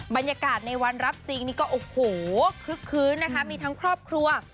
บรรยากาศในวันรับจริงนี่ก็โอ้โหคึกคื้นนะคะมีทั้งครอบครัว